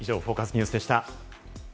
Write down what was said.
ニュースでした。